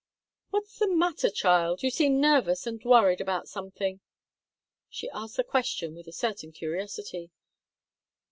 "What's the matter, child? You seem nervous and worried about something." She asked the question with a certain curiosity.